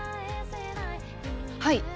はい！